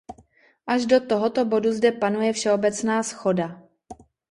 Až do tohoto bodu zde panuje všeobecná shoda.